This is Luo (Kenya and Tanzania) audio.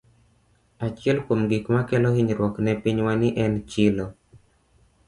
Achiel kuom gik makelo hinyruok ne pinywa ni en chilo.